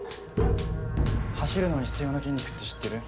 走るのに必要な筋肉って知ってる？